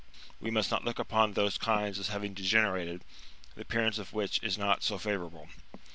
We must not look "upon those kinds as having dege nerated, the appearance of which is not so favourable.